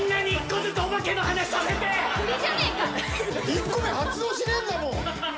１個目発動しねえんだもん。